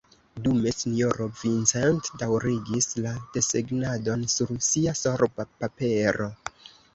Dume sinjoro Vincent daŭrigis la desegnadon sur sia sorba papero.